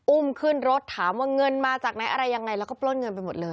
อุ้มขึ้นรถถามว่าเงินมาจากไหนอะไรยังไงแล้วก็ปล้นเงินไปหมดเลย